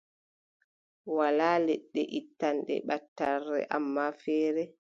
Walaa leɗɗe ittanɗe ɓattarre, ammaa feere,